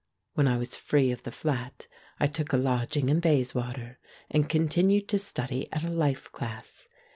When I was free of the flat I took a lodging in Bayswater, and continued to study at a life class.